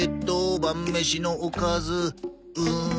晩飯のおかずうん。